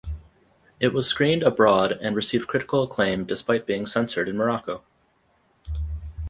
It was screened abroad and received critical acclaim despite being censored in Morocco.